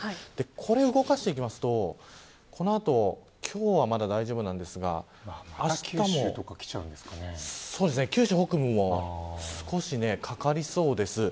これを動かしていくと今日はまだ大丈夫なんですが九州北部も少しかかりそうです。